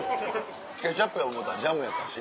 ケチャップや思うたらジャムやったし。